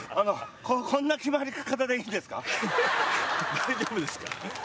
大丈夫ですか？